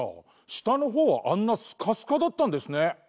したのほうはあんなスカスカだったんですね。